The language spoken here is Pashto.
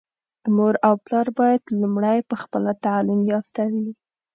مور او پلار بايد لومړی په خپله تعليم يافته وي.